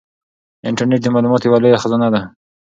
انټرنيټ د معلوماتو یوه لویه خزانه ده.